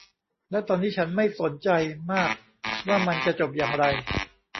และตอนนี้ฉันไม่สนใจมากว่ามันจะจบอย่างไร